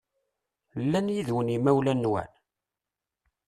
Llan yid-wen yimawlan-nwen?